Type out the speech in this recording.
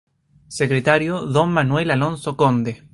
Secretario: Don Manuel Alonso Conde.